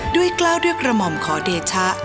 กล้าวด้วยกระหม่อมขอเดชะ